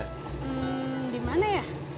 hmm di mana ya